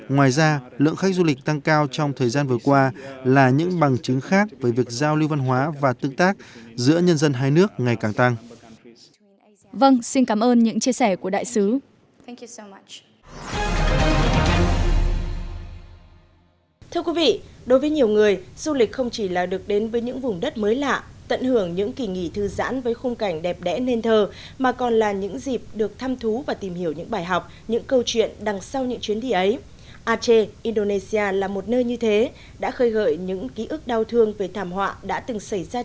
ngoài ra lượng khách du lịch tăng cao trong thời gian vừa qua là những bằng chứng khác với việc giao lưu văn hóa và tương tác giữa nhân dân hai nước ngày càng tăng